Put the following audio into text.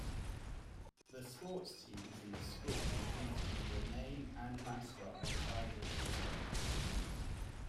The sports teams in the school compete under the name and mascot of tigers.